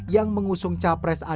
yang mengusung capres anggaran